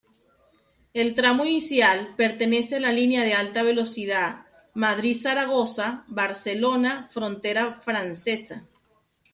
El tramo inicial pertenece a la Línea de alta velocidad Madrid-Zaragoza-Barcelona-Frontera francesa.